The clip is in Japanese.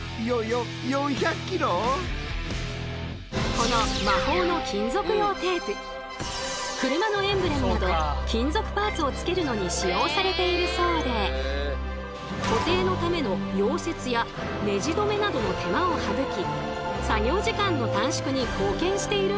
この魔法の金属用テープ車のエンブレムなど金属パーツをつけるのに使用されているそうで固定のための溶接やネジ止めなどの手間を省き作業時間の短縮に貢献しているんだとか。